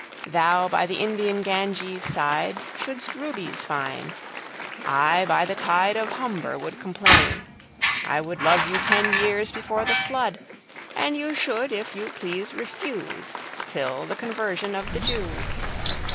Thou by the Indian Ganges sideShould'st Rubies find: I by the TideOf Humber would complain. I wouldLove you ten years before the Flood:And you should if you please refuseTill the Conversion of the Jews.